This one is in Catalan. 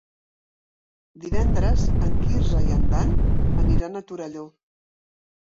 Divendres en Quirze i en Dan aniran a Torelló.